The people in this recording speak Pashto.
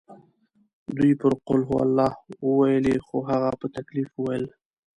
دوی پرې قل هوالله وویلې خو هغه په تکلیف وویل.